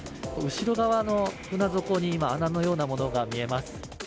後ろ側の船底に今、穴のようなものが見えます。